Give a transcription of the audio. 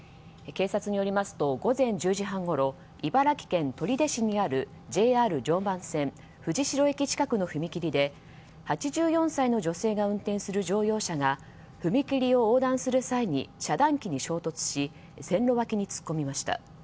警察によりますと午前１０時半ごろ茨城県取手市にあるＪＲ常磐線藤代駅近くの踏切で８４歳の女性が運転する乗用車が踏切を横断する際に遮断機に衝突し線路脇に突っ込みました。